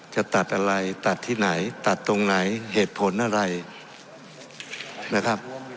จะตัดอะไรตัดที่ไหนตัดตรงไหนเหตุผลอะไรนะครับ